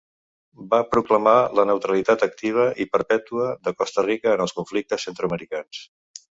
Va proclamar la neutralitat activa i perpètua de Costa Rica en els conflictes centreamericans.